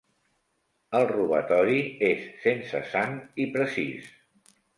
El robatori és sense sang i precís.